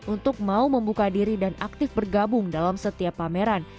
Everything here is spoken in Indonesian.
untuk mau membuka diri dan aktif bergabung dalam setiap pameran